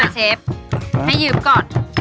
เชฟให้ยืมก่อน